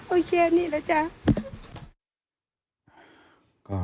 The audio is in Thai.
โอเคนี่แหละจ๊ะ